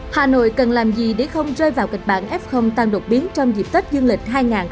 hà nội cần làm gì để không rơi vào kịch bản f tăng đột biến trong dịp tết dương lịch hai nghìn hai mươi bốn